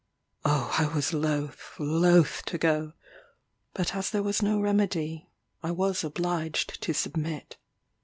Oh I was loth, loth to go back; but as there was no remedy, I was obliged to submit.